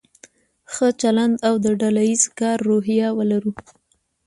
ښه چلند او د ډله ایز کار روحیه ولرو.